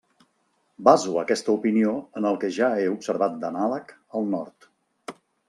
Baso aquesta opinió en el que ja he observat d'anàleg al Nord.